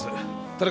田中。